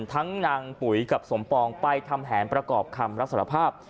นางปุ๋ยกับสมปองไปทำแผนประกอบคำรับสารภาพ